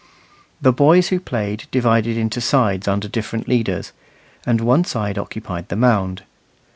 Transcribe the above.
The boys who played divided into sides under different leaders, and one side occupied the mound.